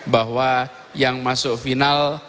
bahwa yang masuk final